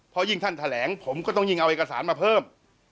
เพราะยิ่งท่านแถลงผมก็ต้องยิ่งเอาเอกสารมาเพิ่ม